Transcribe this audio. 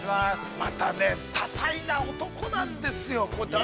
◆またね多彩な男なんですよ。